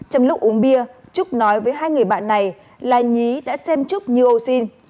trong lúc uống bia trúc nói với hai người bạn này là nhí đã xem trúc như ô xin